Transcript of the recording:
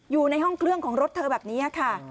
อยู่ในห้องเครื่องของรถเธอแบบนี้ค่ะ